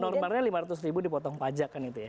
normalnya lima ratus ribu dipotong pajak kan itu ya